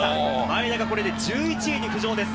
前田が、これで１１位に浮上です。